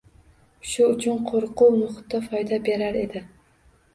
Shu uchun qo‘rquv muhiti foyda berar edi.